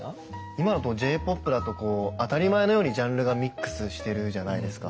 今だとＪポップだと当たり前のようにジャンルがミックスしてるじゃないですか。